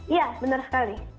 iya benar sekali